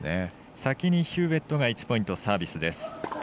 先にヒューウェットが１ポイントサービスです。